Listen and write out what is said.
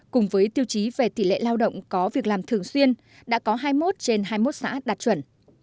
cùng với tiêu chí về tỷ lệ lao động có việc làm thường xuyên đã có hai mươi một trên hai mươi một xã đạt chuẩn